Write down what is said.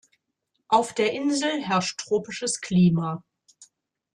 Auf der Insel herrscht tropisches Klima.